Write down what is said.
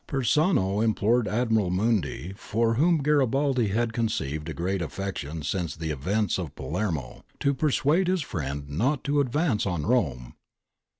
^ Persano implored Admiral Mundy, for whom Garibaldi had conceived a great affec tion since the events of Palermo,* to persuade his friend not to advance on Rome.